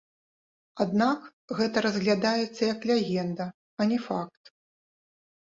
Аднак гэта разглядаецца як легенда, а не факт.